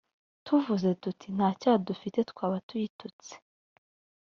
tuvuze tuti nta cyaha dufite twaba tuyitutse